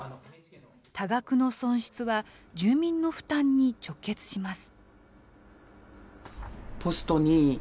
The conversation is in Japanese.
多額の損失は住民の負担に直結します。